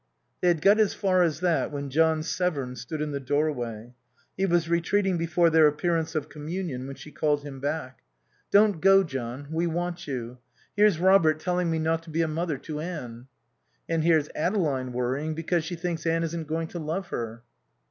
They had got as far as that when John Severn stood in the doorway. He was retreating before their appearance of communion when she called him back. "Don't go, John. We want you. Here's Robert telling me not to be a mother to Anne." "And here's Adeline worrying because she thinks Anne isn't going to love her."